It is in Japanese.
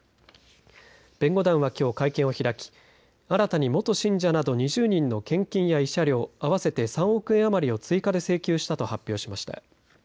弁護団はきょう会見を開き新たに元信者など２０人の献金や慰謝料合わせて３億円余りを追加で請求したと発表しました。